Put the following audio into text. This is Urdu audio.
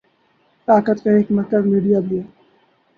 طاقت کا ایک مرکز میڈیا بھی ہے۔